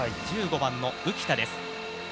１５番の浮田です。